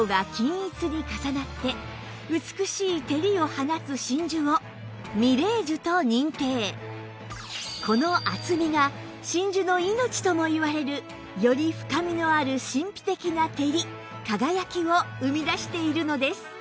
さらにこの厚みが真珠の命とも言われるより深みのある神秘的なテリ輝きを生み出しているのです